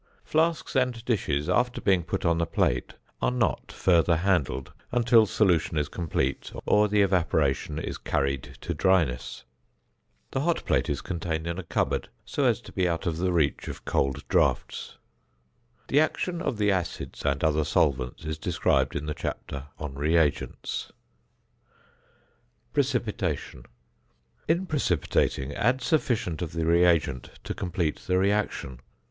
Flasks and dishes after being put on the plate are not further handled until solution is complete or the evaporation is carried to dryness. The hot plate is contained in a cupboard so as to be out of the reach of cold draughts. [Illustration: FIG. 13.] [Illustration: FIG. 14.] [Illustration: FIG. 15.] The action of the acids and other solvents is described in the chapter on Reagents. ~Precipitation.~ In precipitating add sufficient of the reagent to complete the reaction.